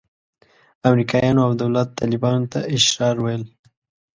امریکایانو او دولت طالبانو ته اشرار ویل.